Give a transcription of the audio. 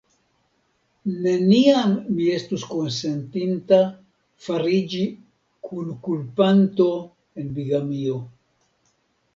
Neniam mi estus konsentinta fariĝi kunkulpanto en bigamio.